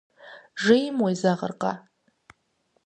Жейм уезэгъыркъэ?